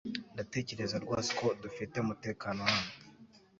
Ndatekereza rwose ko dufite umutekano hano